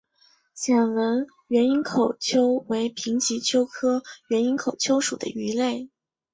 线纹原缨口鳅为平鳍鳅科原缨口鳅属的鱼类。